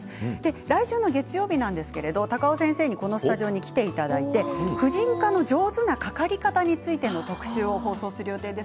来週の月曜日、高尾先生においでいただいて婦人科の上手なかかり方についての特集を放送する予定です。